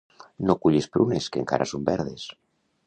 No cullis prunes, que encara son verdes!